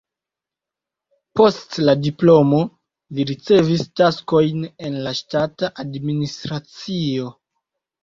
Post la diplomo li ricevis taskojn en la ŝtata administracio.